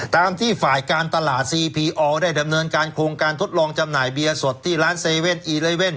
ตามที่ฝ่ายการตลาดซีพีออได้ดำเนินการโครงการทดลองจำหน่ายเบียร์สดที่ร้าน๗๑๑